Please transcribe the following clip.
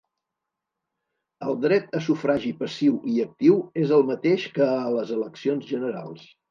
El dret a sufragi passiu i actiu és el mateix que a les eleccions generals.